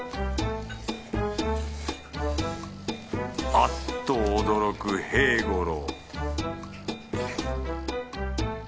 あっと驚く平五郎